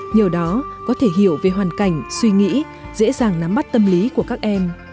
nhờ đó có thể hiểu về hoàn cảnh suy nghĩ dễ dàng nắm bắt tâm lý của các em